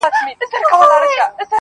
اوسيدل پکښي بچي میندي پلرونه -